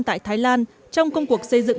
tại thái lan trong công cuộc xây dựng